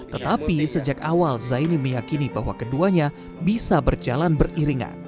tetapi sejak awal zaini meyakini bahwa keduanya bisa berjalan beriringan